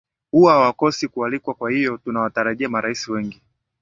huwa hawakosi kualikwa kwa hivyo tunawatarajia marais wengine